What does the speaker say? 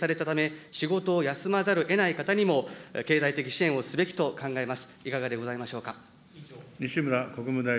濃厚接触者と認定されたため、仕事を休まざるをえない方にも、経済的支援をすべきと考えます。